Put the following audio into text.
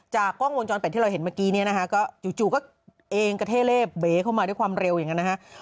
จากกล้องวงจอลเป็นที่เราเห็นเมื่อกี้เฉียวก็จะเทเลบแล้เข้ามาด้วยความเร็วอย่างงั้น